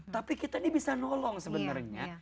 tapi kita ini bisa nolong sebenarnya